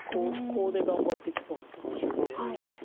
コウで頑張ってきそうなとこなので。